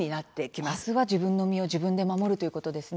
まずは自分の身は自分で守るということですね。